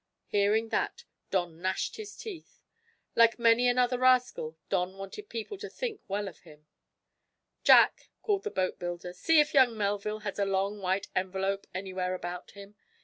Hearing that, Don gnashed his teeth. Like many another rascal, Don wanted people to think well of him. "Jack," called out the boatbuilder, "see if young Melville has a long, white envelope anywhere about him.